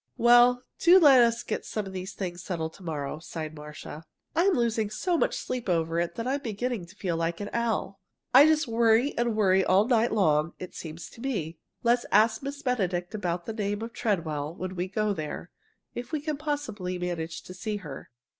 "Well, do let's get some of these things settled to morrow," sighed Marcia. "I'm losing so much sleep over it that I'm beginning to feel like an owl. I just worry and worry all night long it seems to me. Let's ask Miss Benedict about the name of Treadwell when we go there, if we can possibly manage to see her."